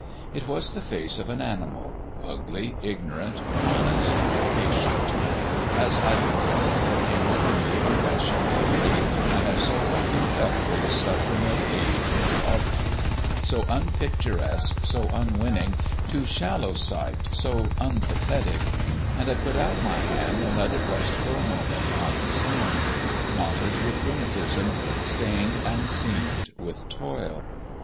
It was the face of an animal ugly, ignorant, honest, patient. As I looked at it there came over me a rush of the pity I have so often felt for this suffering of age in poverty so unpicturesque, so unwinning, to shallow sight so unpathetic and I put out my hand and let it rest for a moment on his own, knotted with rheumatism, stained and seamed with toil.